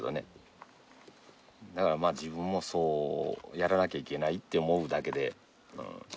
だからまあ自分もそうやらなきゃいけないって思うだけで。